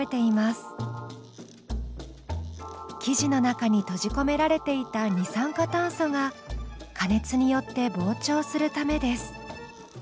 生地の中に閉じ込められていた二酸化炭素が加熱によって膨張するためです。